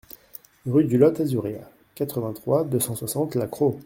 Rue du Lot Azuréa, quatre-vingt-trois, deux cent soixante La Crau